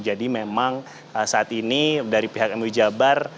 jadi memang saat ini dari pihak mui jabar